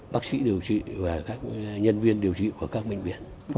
bác sĩ điều trị và các nhân viên điều trị của các bệnh viện